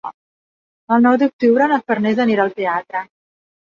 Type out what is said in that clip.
El nou d'octubre na Farners anirà al teatre.